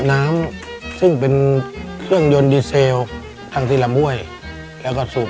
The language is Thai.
ในแคมเปญพิเศษเกมต่อชีวิตโรงเรียนของหนู